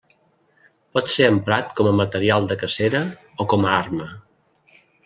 Pot ser emprat com a material de cacera o com a arma.